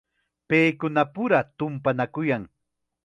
Paykunapura tumpanakuyan.